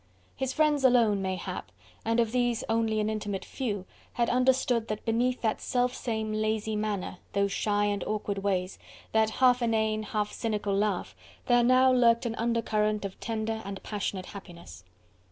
His friends alone, mayhap and of these only an intimate few had understood that beneath that self same lazy manner, those shy and awkward ways, that half inane, half cynical laugh, there now lurked an undercurrent of tender and passionate happiness.